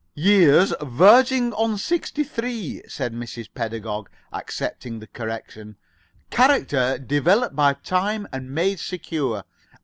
"Years, verging on sixty three," said Mrs. Pedagog, accepting the correction. "Character developed by time and made secure.